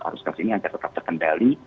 arus kas ini yang tetap terkendali